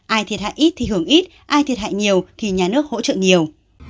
ai thiệt hại ít thì hưởng ít ai thiệt hại nhiều thì nhà nước hỗ trợ nhiều